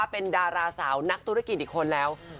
เป็นดาราสาวนักธุรกิจอีกคนแล้ว